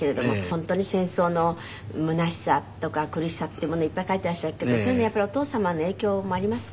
本当に戦争のむなしさとか苦しさっていうものをいっぱい描いていらっしゃるけどそういうのやっぱりお父様の影響もありますか？